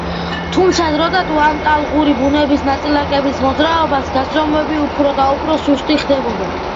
თუმცა, დროდადრო ამ ტალღური ბუნების ნაწილაკების მოძრაობის გაზომვები უფრო და უფრო ზუსტი ხდებოდა.